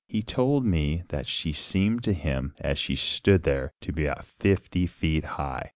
He told me that she seemed to him, as she stood there, to be about fifty feet high.